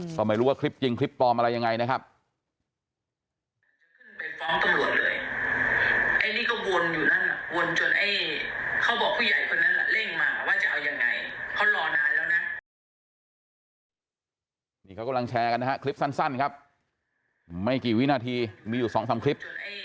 ก็ไม่รู้ว่าคลิปจริงคลิปปลอมอะไรยังไงนะครับ